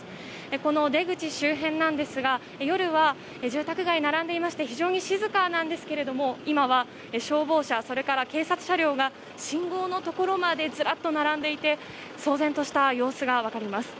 この出口周辺なんですが夜は住宅街並んでいまして非常に静かなんですけれども今は消防車、それから警察車両が信号のところまでずらっと並んでいて騒然とした様子が分かります。